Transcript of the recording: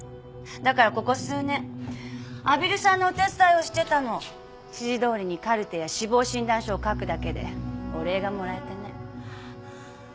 だからここ数年阿比留さんのお手伝いをしてたの。指示どおりにカルテや死亡診断書を書くだけでお礼がもらえてね。